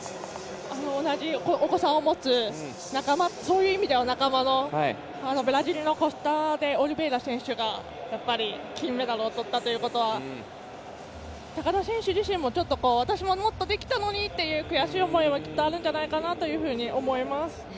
同じお子さんを持つそういう意味では仲間のブラジルのコスタデオリベイラ選手が金メダルをとったということは高田選手自身も私ももっとできたのにという悔しい思いもきっとあるんじゃないかなと思います。